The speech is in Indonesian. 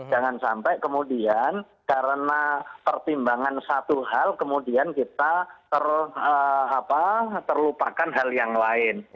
jangan sampai kemudian karena pertimbangan satu hal kemudian kita terlupakan hal yang lain